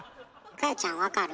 果耶ちゃん分かる？